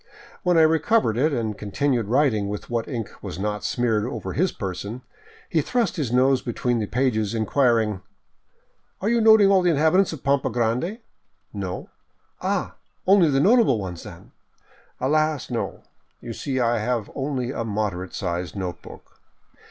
When I recovered it and continued writing with what ink was not smeared over his person, he thrust his nose between the pages, inquiring: " Are you noting all the inhabitants of Pampa Grande ?"" No." " Ah, only the notable ones, then ?"" Alas, no ; you see I have only a moderate sized note book."